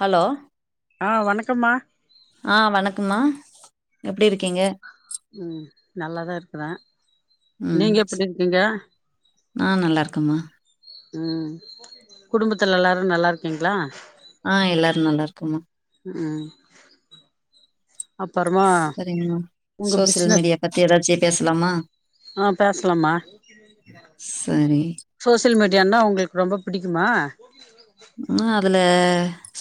Hello அ வணக்கம்மா கம்மா எப்டி இருக்கீங்க உம் நல்லாதா இருக்குற ம் நீங்க எப்டி இருக்கீங்க ஆ நல்லா இருக்கம்மா ம் குடும்பத்துல எல்லாரு நல்லா இருக்கீங்களா அ எல்லாரு நல்லா இருக்குமா உம் செரிங்க சோசியல் மீடியா பத்தி ஏதாச்சி பேசலாமா அ பேசலாமா சரி சோசியல் மீடியான்னா உங்களுக் ரொம்ப பிடிக்குமா உ அதுல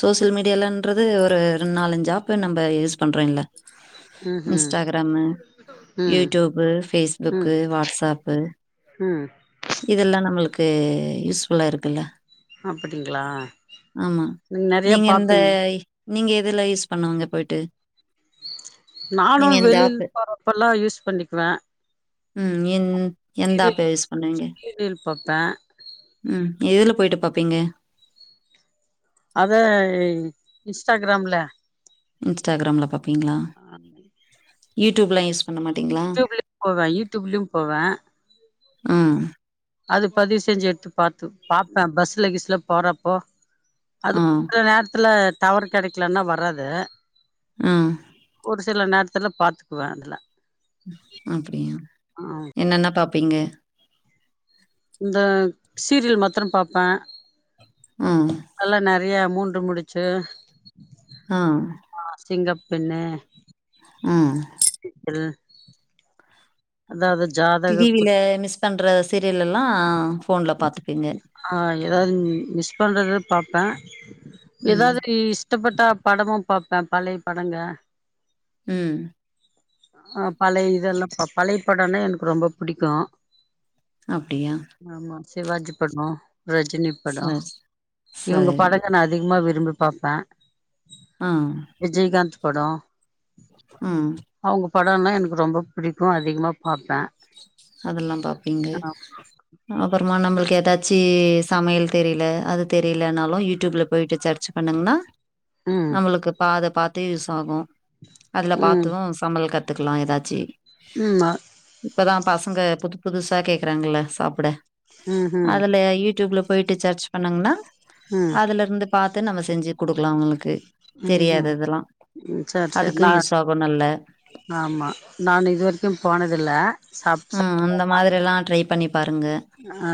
சோசியல் மீடியாலன்றது ஒரு ரெண் நாலஞ்சு ஆப்பு நம்ப யூஸ் பண்ற இல்ல ம் ம் இன்ஸ்டாகிராமு ம் யூடியூபு ம் பேஸ்புக்கு வாட்ஸ்ஆப்பு ம் இதெல்லா நம்மளுக் து யூஸ் ஃபுல்லா இருக்குல்ல அப்டிங்களா ஆமா நெறைய நீங்க எந்த பாப்பீங் நீங்க எதுல யூஸ் பண்ணாங்க போயிட்டு நானு நீங்க எந்த வெளில் ஆப்பு போறப்பெல்லா யூஸ் பண்ணிக்குவ ம் எந் எந்த ஈசி ஆப்ப மிதிரு பாப்ப உம் எதுல போயிட்டு பாப்பீங்க அத இன்ஸ்டாகிராம்ல இன்ஸ்டாகிராம்ல பாப் அ யுடியூப்ல ஸ் யுடியூப்லயு போவ யுடியூப்லும் போவ ஆஹ் அது பதிவு செஞ்சு எடுத்து பார்த்து பாப்பேன் பஸ்ல கிஷ்லா போறப்போ அது ஆ, நேரத்துல டவர் கிடைக்கலன்னா வராது ஆஹ் ஒரு சில நேரத்துல பாத்துக்குவேன் அதுல அப்படியா ம் என்னன்னா பா ப்பிங்க இந்த சீரியல் மாத்திரம் பாப்பேன் ஆஹ் நெறய மூன்று முடிச்சு ஆஹ் சிங்க பெண்ணே உம் அதான் அது டிவில மிஸ் பண்ற சீரியல் எல்லாம் ஃபோன்ல பாத்துப்பீங்க ஆ ஏதாவது மிஸ் பண்றது பார்ப்பேன் ம், ஏதாவது இஸ் இஷ்டப்பட்ட படமும் பார்ப்பேன் பழைய படங்க உம் ஆஹ் பழைய இதல்லாம் பாப் பழைய படம்னா எனக்கு ரொம்ப புடிக்கும் அப்டியா சிவாஜி படம் ரஜினி படம் சரி, இவங்க சரி. படங்க நான் அதிகமா விரும்பி திரும்பி பாப்பேன் விஜய்காந்த் படம் ம்ம் படம்னா எனக்கு ரொம்ப புடிக் அதிகமா பாப் அதெல்லாம் பாப்பீங்க அப்றமா நம்மளுக் ஏதாச்சு சமையல் தெரியல அது தெரியலனாலும் யூடியூப்ல போயிட்டு சர்ச் பண்ணுங்கன்னா ம் நம்மளுக்கு பாத பத் யூஸ் ஆகும் அதுல பாத்து தான் சமையல் கத் பாத்துக்கலா ஏதாச்சு ம்மா இப்பதான் பசங்க புது புதுசா கேக்குறாங்கல்ல சாப்பிட ம்ஹூம் அதுல யூடியூப்ல போயிட்டு சர்ச் பண்னாங்களா ம் அதுல இருந்து பாத் நம்ம செஞ்சு குடுக்கலாம் அவங்களுக்கு ம் தெரியாது ம் இதெல்லாம் ம் சேரி சேரி நா அதுக்கு யூஸ் ஆகும் நல்ல ஆமா நான் இது வரைக்கும் போனதில்ல சாப் ம் சாப்டதில்ல அந்த மாதிரி இலான் ட்ரை பண்ணி பாருங்க ஆ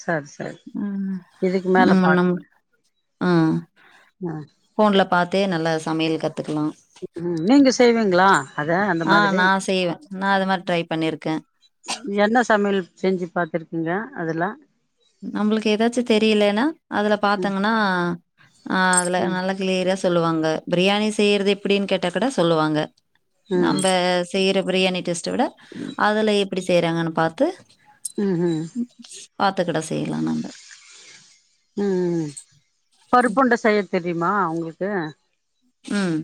சரி சரி ம் இதுக்கு மேல பாக்கங்க ஆ ஆ பாத்தே நல்ல சமையல் கத் உம் நீங்க செய்வீங்களா அத அந்த ஆ மாதிரி நான் செய்வேன் நான் அது மாரி ட்ரை பண்ணிருக்கேன் எந்த சமையல் செஞ்சி பாத்துருக்கிங்க அதுல நமளுக்கு ஏதாச்சி தெரியலனா அதல ம் பாத்தங்கனா ஆஹ அதுல ம் நல்லா கிளீயரா சொலுவாங்க பிரியாணி செய்யறது எப்படின்னு கேட்டா கூட சொல்லுவாங்க ம் நம்ப செய்ற பிரியாணி டெஸ் விட அதுல எப்படி செய்யிறாங்கனு பாத்து ம் ம் த்தகடை செய்யலாம் நாங்க ஆ பருப்புண்ட செய்யத் தெ தெரியமா உங்களுக்கு ம்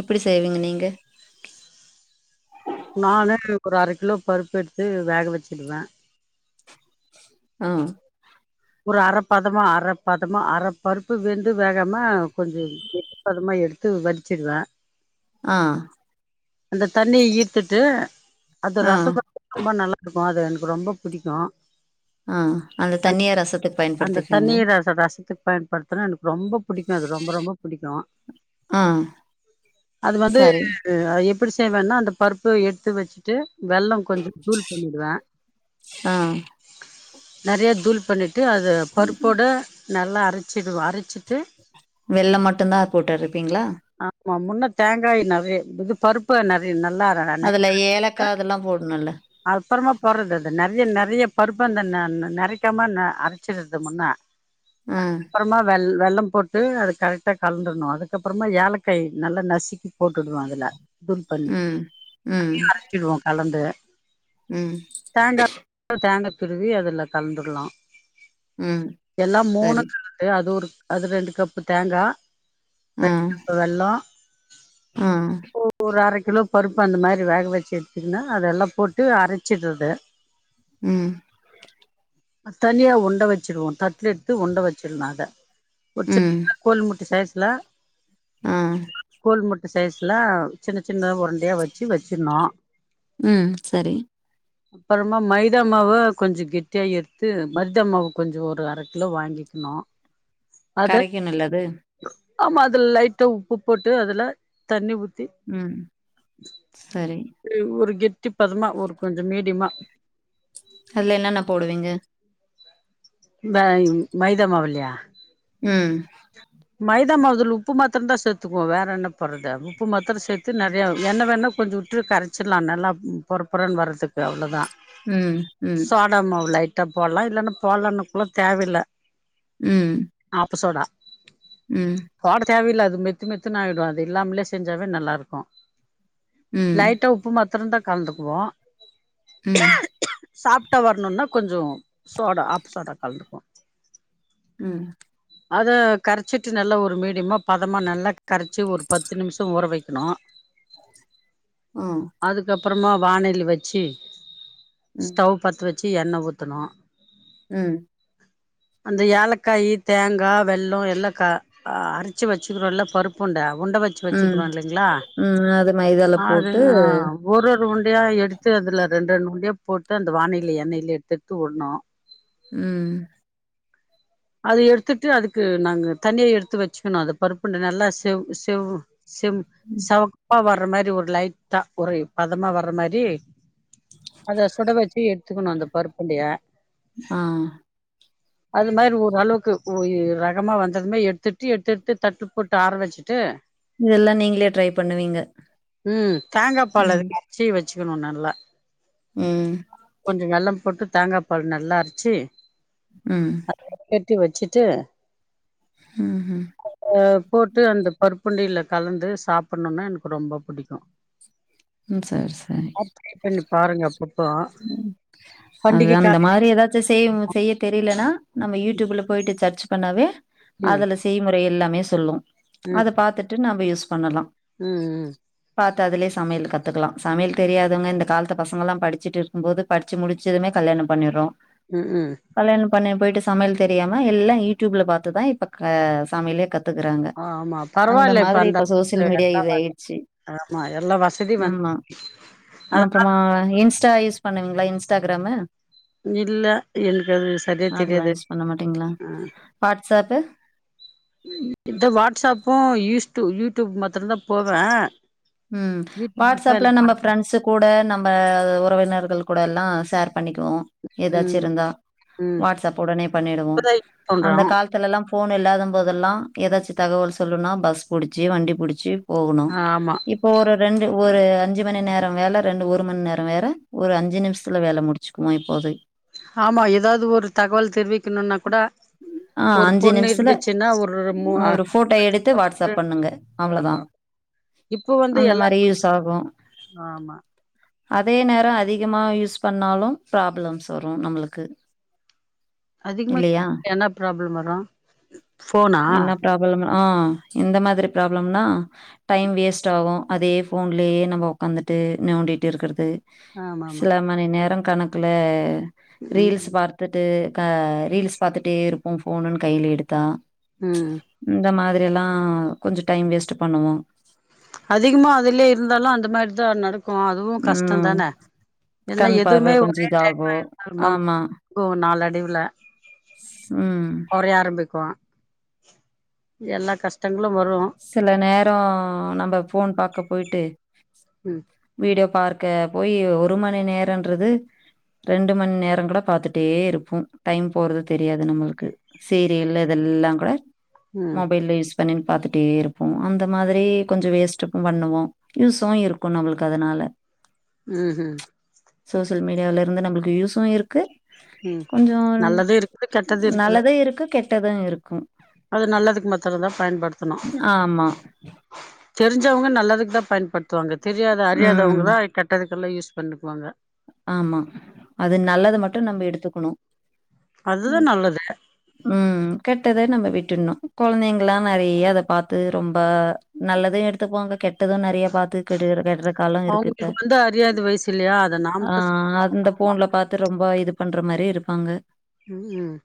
எப்படி செய்விங்க நீங்க நானு ஒரு அரை கிலோ பருப்பு எடுத்து வேக வச்சுடுவேன் ஆ ஒரு அரைப்பதமா அரைப்பாதமா அரைப்பருப்பு வெந்து வேகாம கொஞ்சம் வெப்பதமா எடுத்து வடிச்சிருவேன் ஆ அந்த தண்ணிய ஈத்துட்டு அது ஆ ரசம்குல ரொம்ப நல்லா இருக்கும் பா அது எனக்கு ரொம்ப பிடிக்கும் ஆ அந்த தண்ணிய ரசத் அந்த தண்ணீர அந்த ரசதுக்கு பயன்படுத்துனா எனக்கு ரொம்ப பிடிக்கே அது ரொம்ப ரொம்ப பிடிக்கே ஆ அது வந்து சரி எப்படி செய் தேவேனா அந்த பருப்பு எடுத்து வச்சுட்டு வெள்ளம் கொஞ்சம் தூள் பண்ணிடுவே ஆ நெறய தூள் பண்ணிட் ட்டு அது பருப்போட நல்லா அரச்சிடு வா அரச்சிட்டு வெள்ள மட்டுதா போட்டுருபிங்களா ஆ முன்ன தேங்காய் நாவே [unintelligible] பருப்ப நெறி நல்லா அறனே அதுல ஏலக்கா அதெல்லா போடணுல்ல அபறமா போறது அது நெறய நெறயப் பருப் பந்தண்ண நறிக் [unintelligible] அரச்சிடுதும்ன ஆ அப்பறமா வெல் வெள்ளம் போட்டு அது கரெக்டாக கலந்துர்ணும் அதுக்கப்பறமா ஏலக்காய் நல்லா நசுக்கி போட்டுருணும் அதுல துள் பண்ணி ம் ம் தனியா அரச்சிடுவோம் கலந் த ம் [unintelligible] திருவி அதுல கலந்துடலாம் ம் எல்லாம் மூணு சரி [unintelligible] அது ஒரு அது ரெண்டு கப்பு தேங்கா ஆ [unintelligible] வெள்ளம் ஆ ஒரு அர கிலோ பருப்பு அந்த மாரி வேக வச்சு எடுத்துகின்ன அதெலா போட்டு ட்டு அரச்சிடுது உம் தனியா ஒண்ட வச்சுருவோம் தட்ல எடுத்து ஒண்ட வச்சுருனு அத ஒச்ச ம் [unintelligible] கோல்முட் சாஸ் ல ஆ குள்முட்ட சைஸ்ல சின்ன சின்ன உருண்டயா வச்சு வச்சுந்தோம் உம் சரி அப்பறமா மைதா மாவு கொஞ்ச கெட்டியா எத்து மைதா மாவு கொஞ்ச ஒரு அர கிலோ வாங்கிக்கணோ கரைக்கணல்லது ஆம்மா அதுல லைட்டா உப்பு போட்டு அதுல தண்ணி ஊத் தி ம் சரி ஒரு கெத் போதுமா ஒரு கொஞ்ச மீடியமா அதுல என்னன்ன போடுவீங்க பேக் மைதா மாவுலையா ம் மைதா மாவு உப்பு மாத்தரம் தான் சேத்துக்குவோம் வேற என்ன போடுறது உப்பு மாத்திரம் சேர்த்து நறையா எண்ண வேணா கொஞ்ச விட்டு கரச்சிடலாம் நல்லா பொறபொறனு வரதுக்கு அவ்ளோ தான் உம் உம் டா போடலாம் இல்லன்னா போடலனா கூட தேவையில்ல ம். ஆப்ப சோடா ம். தோடு தேவையில்ல அது மெத்து மெத்துன்ன ஆயிடும் அது இல்லாமலே செஞ்சாவே நல்லா இருக்கும் ம். லைட்டா உப்பு மாத் திறந்தா காலத்துகக்குவோம் ம் சாப்பிடா வரணுமனா கொஞ்ச சோடா ஆப்பு சோடா கலந்துகோ உம் அத கரைச்சிட்டு நல்லா ஒரு மீடியமாக பதமாக நல்லா கரைச்சி ஒரு பத்து நிமிஷம் ஊற வைக்கணும் ஆ. அதுக்கப்ப அப்புறமா வானயில் வச்சு ம். ஸ்டவ் பத்து வச் சசி எண்ணெய ஊத்தணும் உம் அந்த ஏலக்காய் தேங்கா வெள்ளலோம் எ இல்ல கரைச்சு வச்சுக்குறோம் நல்லா பருப்புருண்ட உண்ட வச்சு ம். வச்சுக்கிறோ லா இல்லைங்களா ம். அது மைதால அது போட்டு ஒரு ஒரு உருண்டையா எடுத்து அதுல ரெண்டு ரெண்டு உண்டையா போட்டு அந்த வானையில எண்ணெய்ல எடுத்து எடுத்து உடனும் ம் அது எடுத்துட்டு அதுக்கு நாங்க தனியா எடுத்து வச்சிக்கனும் அது பருப்புணு நல்லா செவ் செவ் சேம் சவ் அப்பா வர்ற மாதிரி ஒரு லைட்டா ஒரு பதமா வரமாதிரி அத சுட வச்சு எ கத்துக்கணும் அந்த பருப்பு உருண்டையடைய ஆ அளவுக்கு பேய் வேகமா வந்தது எடுத்துட்டு எடுத்து எடுட்டு தட்டு போட்டு ஆர வச்சிட்டு இதெல்லாம் நீங்களே ட்ரை பண்ணுவீங்க உம் வச்சுகண நல்லா உம் கொஞ்ச வெள்ளம் போட்டு தேங்காபால் நல்லா அரைச்சி ம் குட்டி வச்சிட்டு ம்ஹ்ம். அஹ் போட்டு அந்த பருப் புண்டைய்ல கலந்து சாப்புணும்னா எனக்கு ரொம்ப புடிக்கும் ம் சரி சரி பண்ணி பாருங்க அப்பப்போ ம் பண்டிகை அ அந்த கால மாதிரி ஏதாச்சும் செய் செய்ய தெரிலனா நம்ம யூடிப்ல போயிட்டு சர்ச் பண்ணாவே ம் அதுல செய்முறை எல்லாமே சொல்லும் ம் அத பாத்துட்டு நம்ப யூஸ் பண்ணலாம் ம் பாத் த துலே சமையல் கத்துக்கலா சமையல் தெரியாதவங்க இந்த காலத்த பசங்கள் எல்லாம் படிச்சுட்டு இருக்கும் போது படிச்சி முடிச்சதுமே கல்யாணம் பண்ணிறோம் ம் ம் ம் கல்யாண பணி போயிட்டு சமையல் தெரியாம எல்லாம் யூடியூப்ல பாத்துதான் இப்ப சமைலே கத்து கத்துகுறாங்க ஆமா அந்த பரவால்ல மாதிரி அந்த இப்ப சோசியல் மீடியா எல்லா இது ஆயிச்சு ஆமா எல்லா வசதி வந்து இம்மா அத அப்றமா ஸ்டா யூஸ் பண்ணுவிங்களா இன்ஸ்டாகிராமு இல்ல எனக்கு அது சரியா அதெல்லா தெரியாது யூஸ் பண்ண மாட்டீங்களா அஹ் வாட்ஸ்அப்பு இந்த வாட்ஸ்அப்பூ யூஸ்டு யூடியூப் மட்டுதா போவே உம் யூடியூப் இப்ப வாட்ஸ்ஆப்ல எனக்கு நம்ம படத்த ஃப்ரெண்ட்ஸ் கூட நம்ப உறவினர் கூட லா சேர் பண்ணிகுவோம் எதாச்சும் ம் இருந்தா ம் வாட்ஸ்ப் உடனே பண்ணிடுவோம் இப்பதா யூஸ் பண்றோ அந்த காலத்துலல் லா ஃபோன் இல்லாத போதெல்லா ஏதாச்சி தகவல் சொல்லணுன பஸ்புடிச்சி வண்டிப்புடிச்சி போகனு ஆமா ஒரு ரெண்டு ஒரு அஞ்சு மணி நேர வேல ரெண்டு ஒரு மணி நேரம் வேற ஒரு அஞ்சு நிமிஷத்துல வேல முடிச்சுக்குவோம் இப்போது ஆமா ஏதாவது ஒரு தகவல் தெரிவிக்குனுனா கூட ஆஹ் ஒரு அஞ்சு பொண்ணு நிமிஷத்துல இருந்துச்சுன்னா ஒரு மூ ஒரு போட்டோ எடுத்து வாட்ஸ்ப் பண்ணுங்க ஆமா அவளோதான் இப்ப வந்து அந்த எல்லா மாரி யூஸ் ஆகும் ஆமா அதே நேரம் அதிகமா யூஸ் பண்ணாலும் ப்ராப்ளம்ஸ் வரும் நம்மளுக்கு அதிகமா இல்லையா என்னா ப்ராப்ளம் வரும் அஹ் என்ன ப்ராப்ளம் ஆஹ் இந்த மாதிரி ப்ராப்ளம்னா டைம் வேஸ்ட் ஆகும் அதே ஃபோன்லயே நம்ம உக்காந்துட்டு நோண்டிட்டு இருக்றது ஆமாமா சில மணி நேரம் கணக்ல ரீல்ஸ் ம் பாத்துட்டு ரீல்ஸ் பார்த்துட்டே இருப்போ ஃபோனுன்னு கையில எடுத்தா ம் இந்த மாதிரி இத லா கொஞ்சோ டைம் வேஸ்ட் பண்ணுவோம் அதிகமா அதுலயே இருந்தாலும் அந்த மாதிரிதான் நடக் அதுவும் கஷ்டம் ம். தான ஏன்னா கண் பார்வை எதுவுமே கொஞ்சம் ஒரே டைம்ல இதாகும். யூஸ் ஆகுமா ஆமா. இதுல ம். குறைய ஆரம்பிக்கும் எல்லா கஷ்டம் சில நேரோ நம்ம ஃபோன் பாக்க போயி்ட்டு ம் வீடியோ பார்க்க போய் ஒரு மணி நேரன்றது ரெண்டு மணி நேரம் கூட பாத்துட்டே இருப்போ டைம் போறது தெரியாது நம்மளுக்கு சீரியல் இதெல்லா கூட ம் மொபைல்ய பண்ணி பாத்துட் அப்டி இருப்போம் அந்த மாதிரி கொஞ்சோ வேஸ்ட்டும் பண்ணுவோம் யூஸும் இருக்கும் நம்மளுக்கு அதனால உம் உம் சோசியல் மீடியாவில இருந்து நம்மளுக்கு யூஸும் இருக்கு உம் கொஞ்சம் நல்லது இருக்கு கெட்டது இருக்கு நல்லதும் கெட்டதும் இருக்கும். அது நல்லதுக்கு மட்டுதா பயன்படு ஆமா தெரிஞ்சவங்க நல்லதுக்கு தான் பயன்படுத்துவாங்க தெரியாத அறியாத அவங்க ம். தான் கெட்டது இதெல்லாம் யூஸ் பண்ணுக்குவாங்க ஆமா அது நல்லத மட்டும் நம்ம எடுத்துக்கணும் அதுதா நல்லது உம் கெட்டத நம்ம விட் குழந்தைங்களா நெறைய அத பாத்து ரொம்ப நல்லதே எடுத்துப்பாங்க கெட்டது இப்டிதா நெறைய பாத்து கெடு கெட்ற காலம் இருக்கு இப்ப அவங்களுக்கு வந்து அறியாத வயசு இல்லையா அத நாமதா சொல்லி ஆஹ் அந்த வளக்கணுமா ஃபோன்ல பாத்து ரொம்ப இது பண்ணுற மாதிரி இருப்பாங்க ம் ம்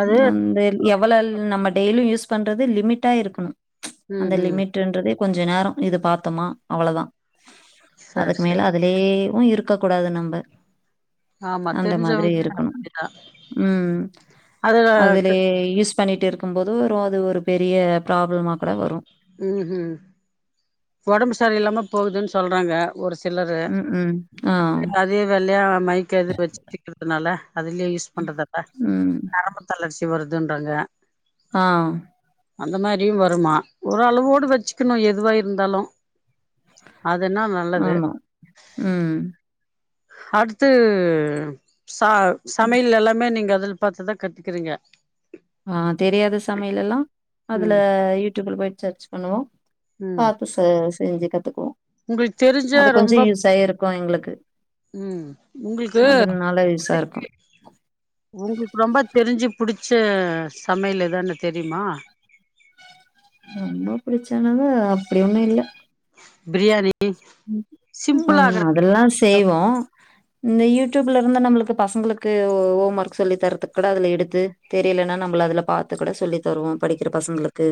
அது அந்த எவ்வளவு நமக் டெய்லியும் யூஸ் பண்றது லிமிட்டா இருக்கணும் ம் அந்த ம் லிமிட்ன்றது கொஞ்சோ நேரம் இது பாத்தோமா அவ்ளவுதான் சரி அதுக்கு சரி மேல அதுலயே உ இருக்கு இருக்க கூடாது நம்ம ஆமா அந்த மாதிரி தெரிஞ்சவங்க இருக்கணும் அப்படிதா ம்ம் அது அதுலயே யூஸ் பண்ணிட்டு இருக்கும் போது அது ஒரு பெரிய ப்ராப்ளமா கூட வரும் உம் ம் உடம்பு சரி இல்லாம போகுதுன்னு சொல்றாங்க ஒரு சிலரு ம், ம். ஆ, அதே வெளையா மைக்கு எது வச்சுக்கிறதுனால அதுலயே யூஸ் பண்றதுல்ல ம். நரம்பு தளர்ச்சி வரு [unintelligible] ஆஹ் அந்த மாதிரியும் வருமா ஓரளவோடு வச்சுக்கணும் எதுவா இருந்தாலும் ஆமா உம் அடுத்து ச சமையல் எல்லாமே நீங்க அதில் பாத்துதான் கத்துக்கிறிங்க ஆ தெரியாத சமையலல்லாம் அதுல ம் யூடியூப்ல போய் போய் சர்ச் பண்ணுவோம் ம் பாத்து சாஸ் செஞ்சு கத்துக்குவோம் உங்களுக்கு தெரிஞ்ச அது கொஞ்சோ ரொம்ப யூஸா இருக்கு எங்களுக்கு ம்ம் உங்களுக்கு அதுனால யூஸா இருக்கு உங்களுக்கு ரொம்ப தெரிஞ்சு புடிச் ச சமையல் எதுன்னு தெரியுமா ரொம்ப பிடிச்சது அப்படி ஒன்னும் இல்ல பிரியாணி சிம்பிள் ம்ம் ஆகுற அதெல்லாம் செய்வோம் இந்த யூ யூடியூப்ல இருந்த நம்மளுக்கு பசங்களுக்கு ஹோம் ஒர்க் சொல்லி தரதுக்கு கூட அதல எடுத்து தெரியலன்னா நம்மள அதல பாத்து கூட சொல்லி தருவோம் படிக்கிற பசங்களுக்கு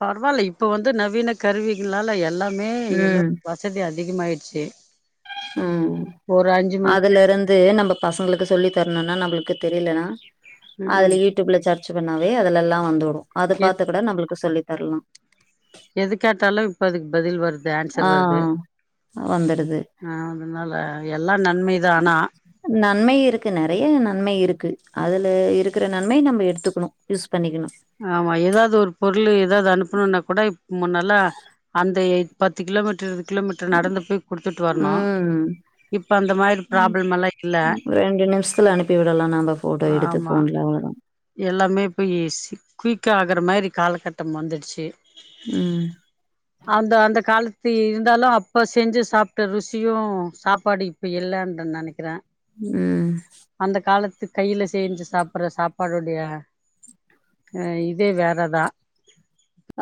பரவாயில்ல இப்ப வந்து நவீன கருவிகளால எல்லா மே எல்லா ம் வசதி ஆச்சு அதிகமாயீடுச்சு உம் அதுல இருந்து நம்ம பசங்களுக்கு சொல்லி தரணும்னா நம்மளுக்கு தெரிலனா ம் ம் அதுல யூடியூப்ல சர் ச்சு பண்ணாவே அதலெல்லாம் வந்துடும் அத பாத்து கூட நம்மளுக்கு சொல்லி வரலாம் எதுக்கேட்டாலும் இப்ப அதுக்கு பதில் வருது ஆன்சர் ஆ வருது வந்துடுது ஆஹ் அதனால எல்லாம் நன்மைதான் ஆனா நன்மை இருக்கு நெறைய நன்மை இருக்கு அதுல இருக்கிற நன்மை நாம எடுத்துக்கனோ யூஸ் பண்ணிக்கலாம் ஆமா ஏதாவது ஒரு பொருள் ஏதாவது அனுப்பணும்னா கூட முன்னல்லா அந்த பத்து கிலோமீட்டர் இருக்கு உம் இப்ப அந்த மாரி ப்ராப்ளம் எல்லா இல்ல உ ரெண்டு நிமிஷத்துல அனுப்பி விடலாம் நாம ஃபோட்டோ எடுத்து ஆமா ஃபோன்ல அவளோ தான் எல்லாமே இப்போ ஈசி குயிக்கா ஆகுற மாதிரி காலகட்ட வந்துச்சி ம் அந்த அந்த கால இருந்தாலும் அப்போ செஞ்சு சாப்ட்ட ருசியும் சாப்பாடும் இப்போ இல்லன்று நெனைக்கிறேன் உம் கையில செஞ்சு சாப்பிடற சாப்பா டுடைய அ இதே வேறதான்